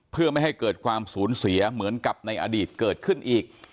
เพื่อไม่ให้เกิดความสูญเสียเหมือนกับในอดีตเกิดขึ้นอีก